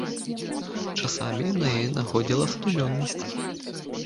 Часамі на яе находзіла задумёнасць.